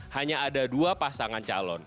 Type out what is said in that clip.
hanya ada dua pasangan calon